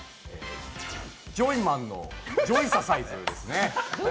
ジョイマンのジョイササイズですね。